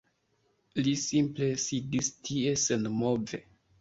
Li simple sidis tie, senmove.